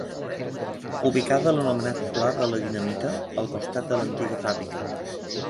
Ubicada a l'anomenat pla de la Dinamita, al costat de l'antiga fàbrica.